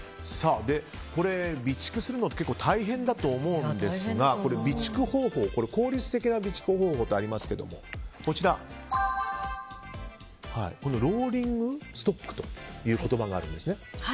備蓄するのって結構大変だと思うんですが効率的な備蓄方法とありますがローリングストックという言葉がありますね。